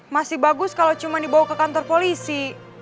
masih bagus kalau cuma dibawa ke kantor polisi